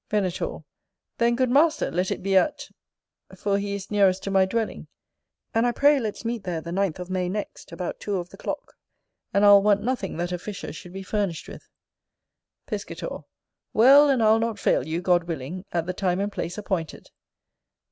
Venator. Then, good master, let it be at for he is nearest to my dwelling. And I pray let's meet there the ninth of May next, about two of the clock; and I'll want nothing that a fisher should be furnished with. Piscator. Well, and I'll not fail you, God willing, at the time and place appointed.